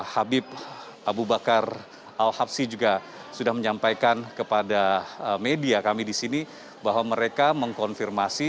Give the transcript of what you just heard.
habib abu bakar al habsi juga sudah menyampaikan kepada media kami di sini bahwa mereka mengkonfirmasi